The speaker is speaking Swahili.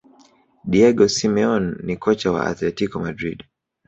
diego simeone ni kocha wa athletico madrid